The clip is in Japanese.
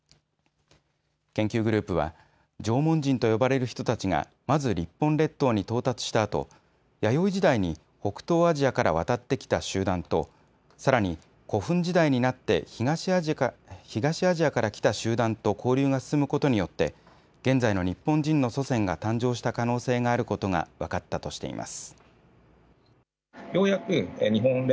研究グループは縄文人と呼ばれる人たちが、まず日本列島に到達したあと弥生時代に北東アジアから渡ってきた集団とさらに古墳時代になって東アジアから来た集団と交流が進むことによって現在の日本人の祖先が誕生した可能性があることが分かったとしています。